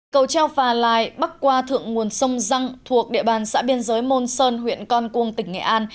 cầu treo phà lai bắc qua thượng nguồn sông răng thuộc địa bàn xã biên giới môn sơn huyện con cuông tỉnh nghệ an